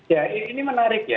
ya ini menarik ya